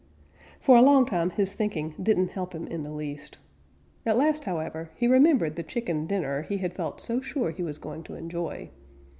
For a long time his thinking didn't help him in the least. At last, however, he remembered the chicken dinner he had felt so sure he was going to enjoy.